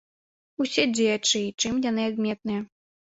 Усе дзеячы, чым яны адметныя.